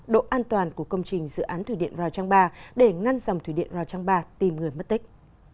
độ an toàn của công trình dự án thủy điện rào trang ba để ngăn dòng thủy điện rào trang ba tìm người mất tích